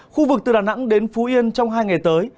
khu vực từ đà nẵng đến phú yên trong hai ngày tới